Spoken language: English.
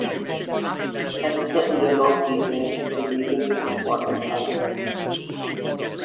Hence the year-long delay in releasing this important album.